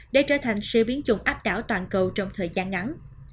để trở thành siêu biến chủng áp đảo toàn cầu trong thời gian ngắn